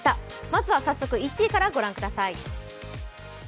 まずは１位からご覧ください。